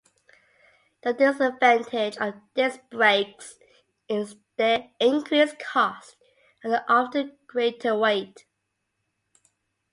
The disadvantage of disc brakes is their increased cost and often greater weight.